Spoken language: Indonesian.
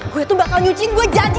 gue tuh bakal nyucing gue janji